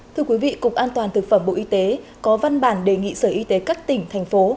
thưa quý vị cục an toàn thực phẩm bộ y tế có văn bản đề nghị sở y tế các tỉnh thành phố